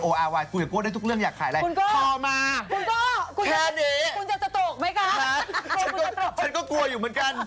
กูอยากกลัวได้ทุกเรื่องอยากขายอะไรพอมาแค่นี้คุณก้อคุณก้อ